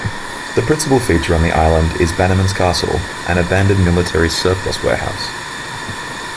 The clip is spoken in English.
The principal feature on the island is Bannerman's Castle, an abandoned military surplus warehouse.